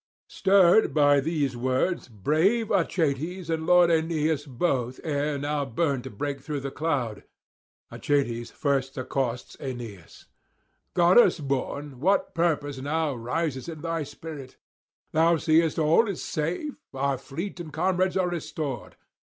Stirred by these words brave Achates and lord Aeneas both ere now burned to break through the cloud. Achates first accosts Aeneas: 'Goddess born, what purpose now rises in thy spirit? Thou seest all is safe, our fleet and comrades are restored.